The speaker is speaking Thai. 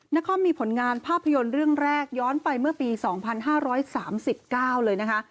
นครมีผลงานภาพยนตร์เรื่องแรกย้อนไปเมื่อปี๒๕๓๙เลยนะคะ